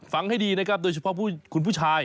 ให้ดีนะครับโดยเฉพาะคุณผู้ชาย